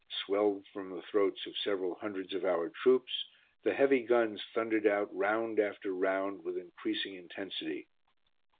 swelled from the throats of several hundreds of our troops, the heavy guns thundered out round after round with increasing intensity.